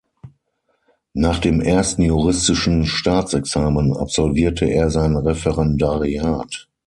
Nach dem ersten juristischen Staatsexamen absolvierte er sein Referendariat.